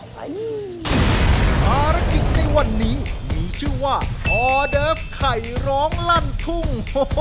ภารกิจในวันนี้มีชื่อว่าออเดิฟไข่ร้องลั่นทุ่ง